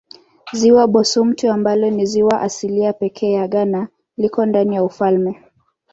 Ziwa Bosumtwi ambalo ni ziwa asilia pekee ya Ghana liko ndani ya ufalme.